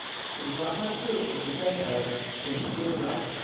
There was not much room for complaint, however, when she did arrive.